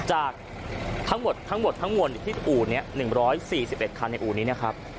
จากทั้งหมดทั้งหมดทั้งวนที่อู่เนี้ยหนึ่งร้อยสี่สิบเอ็ดคันในอู่นี้นะครับ